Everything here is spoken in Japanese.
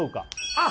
あっ！